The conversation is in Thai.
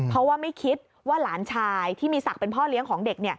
เพราะว่าไม่คิดว่าหลานชายที่มีศักดิ์เป็นพ่อเลี้ยงของเด็ก